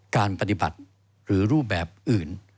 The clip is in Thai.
การปฏิบัติหรือรูปแบบอื่น